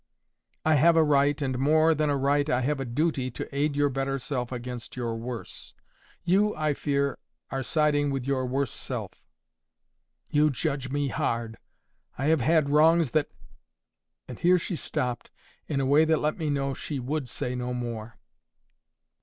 "I have a right, and, more than a right, I have a duty to aid your better self against your worse. You, I fear, are siding with your worse self." "You judge me hard. I have had wrongs that—" And here she stopped in a way that let me know she WOULD say no more.